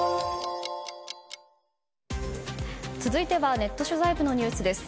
続いてはネット取材部のニュースです。